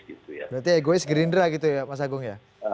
berarti egois gerindra gitu ya mas agung ya